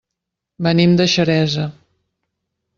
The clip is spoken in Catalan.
Venim de Xeresa.